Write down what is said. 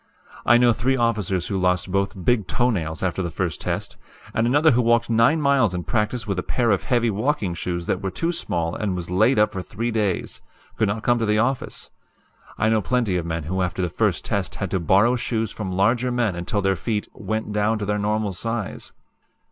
I know three officers who lost both big toe nails after the first test, and another who walked nine miles in practice with a pair of heavy walking shoes that were too small and was laid up for three days could not come to the office. I know plenty of men who after the first test had to borrow shoes from larger men until their feet 'went down' to their normal size.